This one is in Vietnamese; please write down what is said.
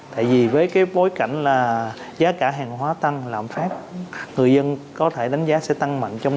tại vì với bối cảnh giá cả hàng hóa tăng làm phát người dân có thể đánh giá sẽ tăng mạnh trong